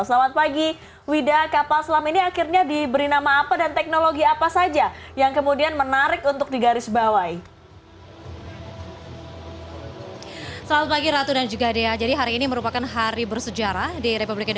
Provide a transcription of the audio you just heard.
selamat pagi wida kapal selam ini akhirnya diberi nama apa dan teknologi apa saja yang kemudian menarik untuk digarisbawahi